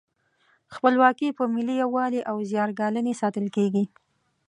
خپلواکي په ملي یووالي او زیار ګالنې ساتل کیږي.